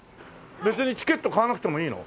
別にチケット買わなくてもいいの？